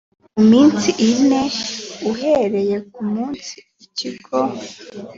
mu minsi ine uhereye ku munsi ikigo